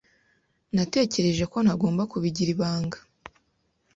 Natekereje ko ntagomba kubigira ibanga.